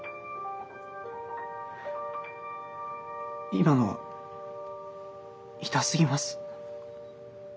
今のは痛すぎます。